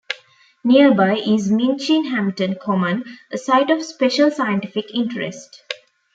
Nearby is Minchinhampton Common, a Site of Special Scientific Interest.